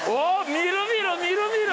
みるみるみるみる！